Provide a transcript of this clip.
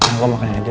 mau makan aja deh